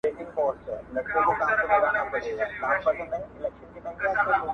ه زيار دي دې سپين سترگي زمانې وخوړی,